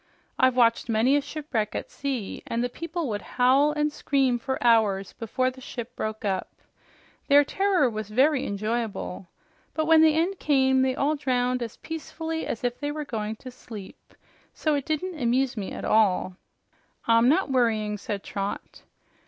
I've watched many a shipwreck at sea, and the people would howl and scream for hours before the ship broke up. Their terror was very enjoyable. But when the end came, they all drowned as peacefully as if they were going to sleep, so it didn't amuse me at all." "I'm not worrying," said Trot.